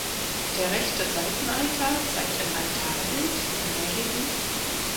Der rechte Seitenaltar zeigt im Altarbild den hl.